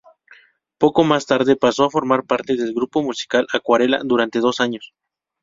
Poco más tarde, pasó a formar parte del grupo musical Acuarela, durante dos años.